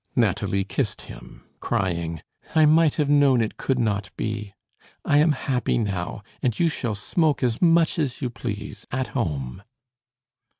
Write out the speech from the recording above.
Nathalie kissed him, crying: "I might have known it could not be! I am happy now, and you shall smoke as much as you please, at home."